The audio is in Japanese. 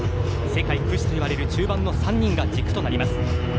世界屈指といわれる中盤の３人が軸となります。